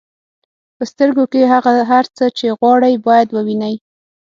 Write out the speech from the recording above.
په سترګو کې هغه هر څه چې غواړئ باید ووینئ.